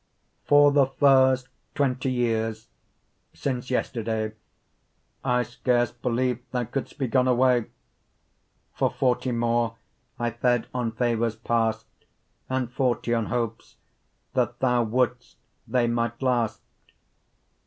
_ For the first twenty yeares, since yesterday, I scarce beleev'd, thou could'st be gone away, For forty more, I fed on favours past, And forty'on hopes, that thou would'st, they might last.